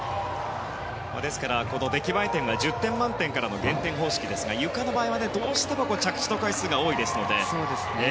ですから、出来栄え点が１０点満点からの減点方式ですがゆかの場合はどうしても着地の回数が多いですので。